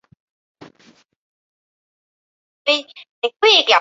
有研究提出双三嗪基吡啶。